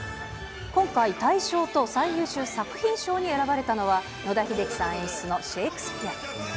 今回、大賞と最優秀作品賞に選ばれたのは、野田秀樹さん演出のシェイクスピア。